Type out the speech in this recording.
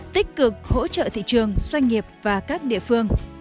tích cực hỗ trợ thị trường doanh nghiệp và các địa phương